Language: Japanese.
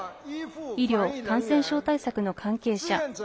医療・感染症対策の関係者